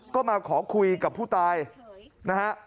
ก็มาขอคุยกับผู้ตายนะฮะ